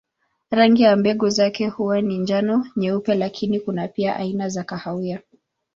Rangi ya mbegu zake huwa ni njano, nyeupe lakini kuna pia aina za kahawia.